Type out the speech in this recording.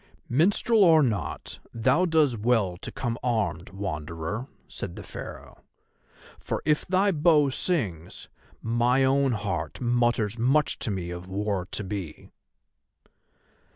"Minstrel or not, thou does well to come armed, Wanderer," said the Pharaoh; "for if thy bow sings, my own heart mutters much to me of war to be."